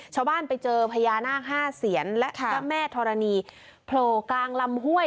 ชาวบ้านไปเจอพญานาคห้าเสียนและพระแม่ธรณีโผล่กลางลำห้วย